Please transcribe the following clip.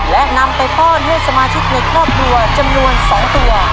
และนำไปพ่อนให้สมาชิกเหน็ดรอบรวมจำนวน๒ตัว